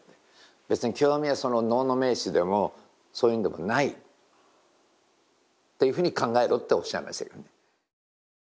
別に狂阿弥はその能の名手でもそういうんでもないっていうふうに考えろっておっしゃいましたけどね。